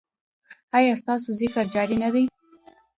ایا ستاسو ذکر جاری نه دی؟